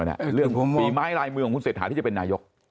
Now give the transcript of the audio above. สิ่งความมองเรื่องมีไม้ลายมือของคุณเสชหะที่จะเป็นนายก